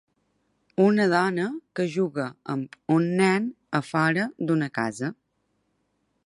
Una dona que juga amb un nen a fora d'una casa.